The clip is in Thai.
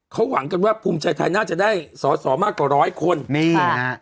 เขาหวังกันว่าภูมิใจไทยน่าจะได้สอสอมากกว่าร้อยคนนี่ฮะ